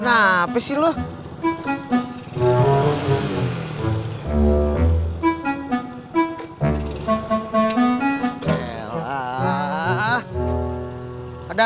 ngapain belum jalan